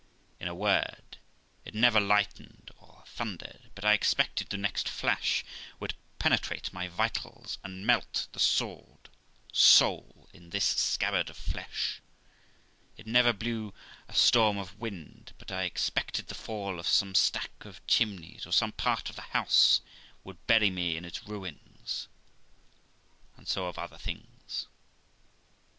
In a word, it never lightened or thundered, but I expected the next flash would penetrate my vitals, and melt the sword (soul) in this scabbard of flesh ; it never blew a storm of wind, but I expected the fall of some stack of chimneys, or some part of the house, would bury me in its ruins j and so of other things.